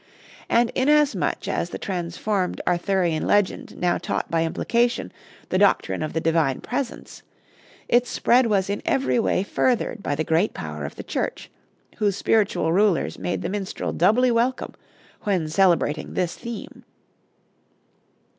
And inasmuch as the transformed Arthurian legend now taught by implication the doctrine of the Divine Presence, its spread was in every way furthered by the great power of the Church, whose spiritual rulers made the minstrel doubly welcome when celebrating this theme.